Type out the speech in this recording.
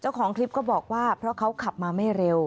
เจ้าของคลิปก็บอกว่าเพราะเขาขับมาไม่เร็ว